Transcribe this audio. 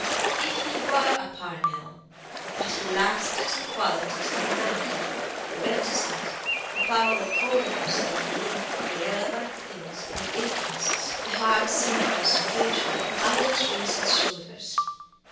If he were a Parnell! But he lacks just the qualities that matter the reticence, the power of holding himself aloof from irrelevant things and interests, the hard self concentration." Aldous raised his shoulders.